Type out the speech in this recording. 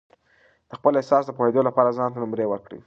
د خپل احساس د پوهېدو لپاره ځان ته نمرې ورکړئ.